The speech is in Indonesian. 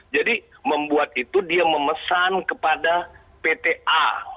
jadi membuat itu dia memesan kepada pta